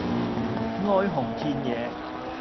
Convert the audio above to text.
哀鴻遍野